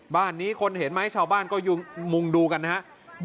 บ้านนี้คนเห็นไหมชาวบ้านก็มุงดูกันนะครับ